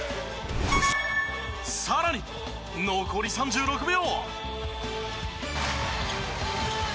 さらに残り３６秒。